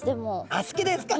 あっ好きですか。